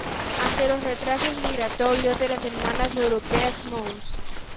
Ante los retrasos migratorios de las hermanas europeas, Mons.